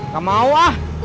gak mau ah